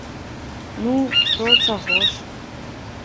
Ну, то чаго ж!